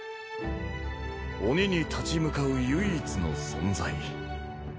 鬼に立ち向かう唯一の存在。